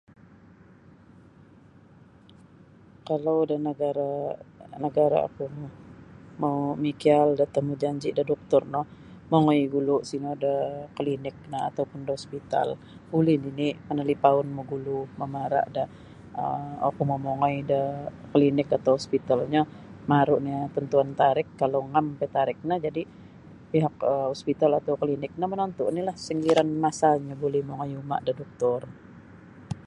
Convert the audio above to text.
Kalau da nagara nagaraku mau mikiaal da temujanji da doktor no mongoi gulu sino da klinik no atau pun da hospital buli nini manalipaun magulu mamara da um oku mau mongoi da dan klinik atau hospital nyo kalau ngam piyo tarikhnyo jadi pihak hospital atau klinik no monontu oni sanggiran masanyo buli mangoi uma da doktor.